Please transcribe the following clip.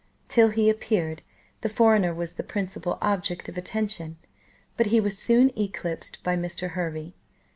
Till he appeared, the foreigner was the principal object of attention, but he was soon eclipsed by Mr. Hervey.